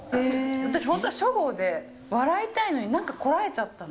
私本当は試写で笑いたいのになんかこらえちゃったの。